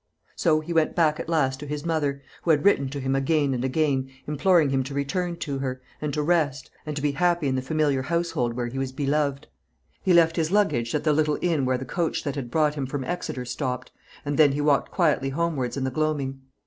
So he went back at last to his mother, who had written to him again and again, imploring him to return to her, and to rest, and to be happy in the familiar household where he was beloved. He left his luggage at the little inn where the coach that had brought him from Exeter stopped, and then he walked quietly homewards in the gloaming.